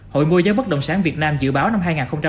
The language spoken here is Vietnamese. hội mua giá bất động sản việt nam dự báo năm hai nghìn hai mươi ba